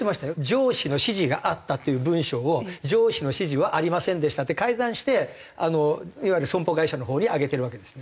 「上司の指示があった」という文章を「上司の指示はありませんでした」って改ざんしていわゆる損保会社のほうに上げてるわけですね。